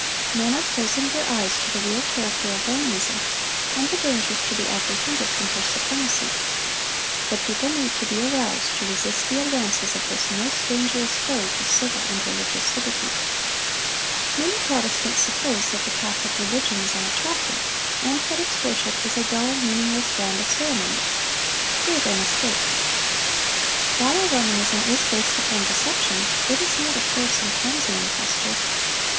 Men are closing their eyes to the real character of Romanism, and the dangers to be apprehended from her supremacy. The people need to be aroused to resist the advances of this most dangerous foe to civil and religious liberty. Many Protestants suppose that the Catholic religion is unattractive, and that its worship is a dull, meaningless round of ceremony. Here they mistake. While Romanism is based upon deception, it is not a coarse and clumsy imposture.